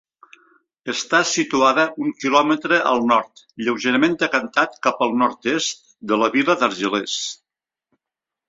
Està situada un quilòmetre al nord, lleugerament decantat cap al nord-est, de la vila d'Argelers.